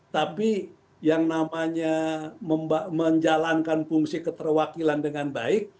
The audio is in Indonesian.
tapi yang namanya menjalankan fungsi keterwakilan dengan baik